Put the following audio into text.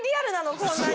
こんなに。